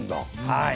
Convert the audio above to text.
はい。